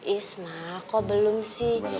isma kok belum sih